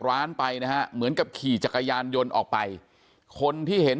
ร้านไปนะฮะเหมือนกับขี่จักรยานยนต์ออกไปคนที่เห็น